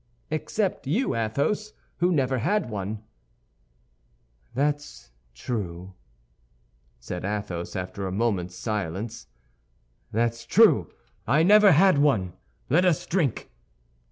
"Except you, Athos, who never had one." "That's true," said Athos, after a moment's silence, "that's true! I never had one! Let us drink!"